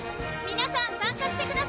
皆さん参加して下さい！